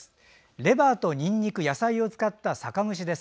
レバーとにんにく野菜を使った酒蒸しです。